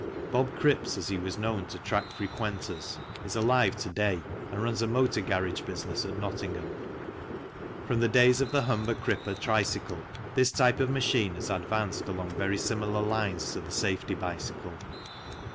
Bob Cripps, as he was known to track frequenters, is alive to day and runs a motor garage business at Nottingham. From the days of the Humber Cripper tricycle this type of machine has advanced along very similar lines to the safety bicycle.